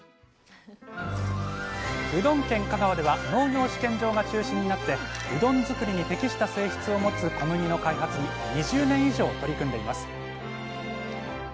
うどん県香川では農業試験場が中心になってうどん作りに適した性質を持つ小麦の開発に２０年以上取り組んでいます